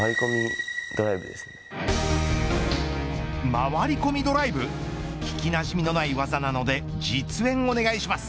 回り込みドライブ聞きなじみのない技なので実演お願いします。